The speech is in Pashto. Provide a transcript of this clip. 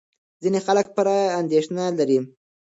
ځینې خلک پرې اندېښنه لري.